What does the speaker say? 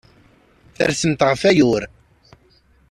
Tersemt ɣef wayyur.